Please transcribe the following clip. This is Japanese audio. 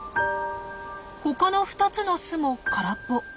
他の２つの巣も空っぽ。